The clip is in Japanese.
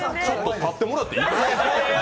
ちょっと立ってもらっていい？